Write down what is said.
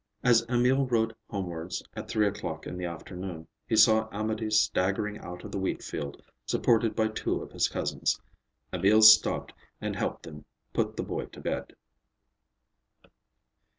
As Emil rode homewards at three o'clock in the afternoon, he saw Amédée staggering out of the wheatfield, supported by two of his cousins. Emil stopped and helped them put the boy to bed.